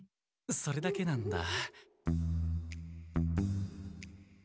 それだけなんだ。